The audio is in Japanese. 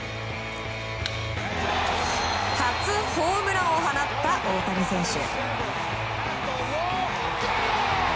初ホームランを放った大谷選手。